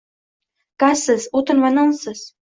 Gazsiz, o'tin va nonsiz